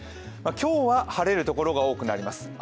今日は晴れる所が多くなります。